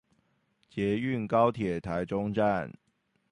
捷運高鐵臺中站